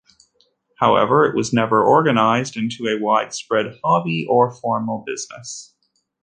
However, it was never organized into a widespread hobby or formal business.